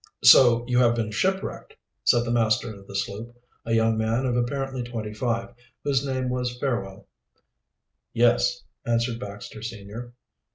"So you have been shipwrecked?" said the master of the sloop, a young man of apparently twenty five, whose name was Fairwell. "Yes," answered Baxter senior.